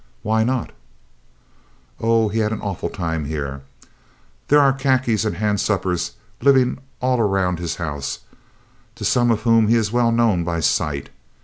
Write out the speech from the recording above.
"Why not?" "Oh, he had an awful time here. There are khakis and handsuppers living all round his house, to some of whom he is well known by sight.